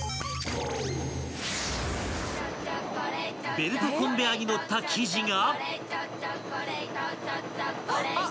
［ベルトコンベヤーに載った生地が］